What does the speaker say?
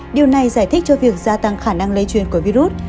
điều này giải thích cho việc gia tăng khả năng lây truyền của virus